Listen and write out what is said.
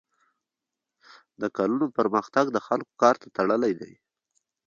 د کلو پرمختګ د خلکو کار ته تړلی دی.